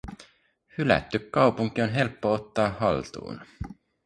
Hylätty kaupunki on helppo ottaa haltuun.